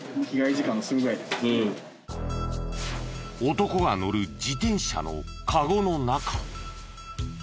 男が乗る自転車のカゴの中。